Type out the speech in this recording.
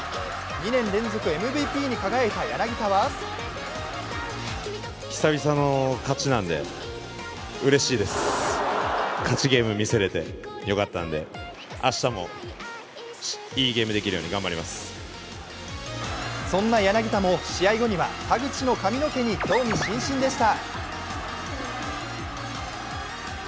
２年連続ＭＶＰに輝いた柳田はそんな柳田も試合後には田口の髪の毛に興味津々でした。